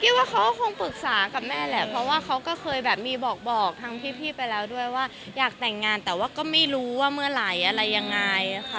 ว่าเขาก็คงปรึกษากับแม่แหละเพราะว่าเขาก็เคยแบบมีบอกทางพี่ไปแล้วด้วยว่าอยากแต่งงานแต่ว่าก็ไม่รู้ว่าเมื่อไหร่อะไรยังไงค่ะ